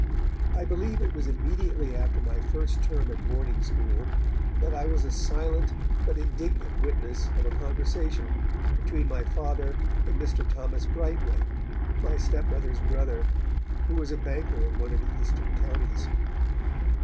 I believe it was immediately after my first term at boarding school, that I was a silent but indignant witness of a conversation between my Father and Mr. Thomas Brightwen, my stepmother's brother, who was a banker in one of the Eastern Counties.